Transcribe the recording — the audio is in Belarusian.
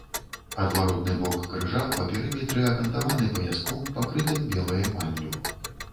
Адваротны бок крыжа па перыметры акантаваны паяском, пакрытым белай эмаллю.